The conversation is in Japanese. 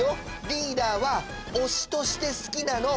リーダーは推しとして好きなの！